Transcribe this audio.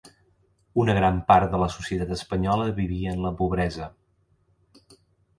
Una gran part de la societat espanyola vivia en la pobresa.